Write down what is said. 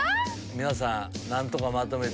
皆さん何とかまとめて。